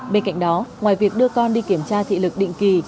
bên cạnh đó ngoài việc đưa con đi kiểm tra thị lực định kỳ